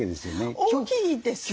大きいですよ。